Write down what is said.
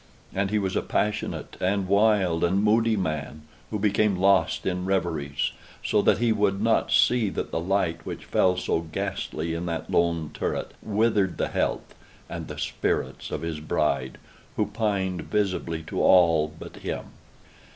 And he was a passionate, and wild, and moody man, who became lost in reveries; so that he would not see that the light which fell so ghastly in that lone turret withered the health and the spirits of his bride, who pined visibly to all but him.